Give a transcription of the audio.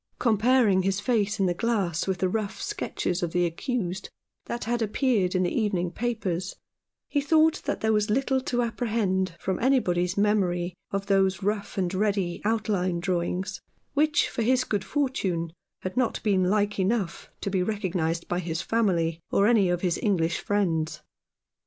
Comparing his face in the glass with the rough sketches of the accused that had appeared in the evening papers, he thought that there was little to apprehend from anybody's memory of those rough and ready outline draw ings, which, for his good fortune, had not been like enough to be recognized by his family, or any of his English friends.